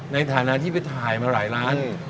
ในฐานะที่ไปถ่ายมาหลายล้าน